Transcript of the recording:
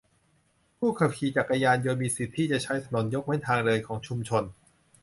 ผู้ขับขี่จักรยานยนต์มีสิทธิ์ที่จะใช้ถนนยกเว้นทางเดินของชุมชน